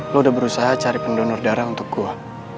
lo udah berusaha cari pendonor darah untuk gue